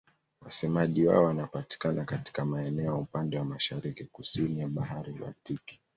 Wasemaji wao wanapatikana katika maeneo upande wa mashariki-kusini ya Bahari Baltiki.